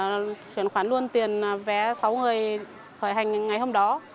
tôi đã chuyển khoản luôn tiền vé sáu người khởi hành ngày hôm đó